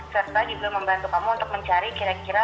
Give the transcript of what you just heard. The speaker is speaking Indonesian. serta juga membantu kamu untuk mencari kira kira